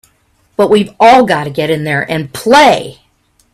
But we've all got to get in there and play!